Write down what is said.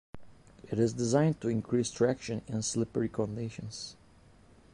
It is designed to increase traction in slippery conditions.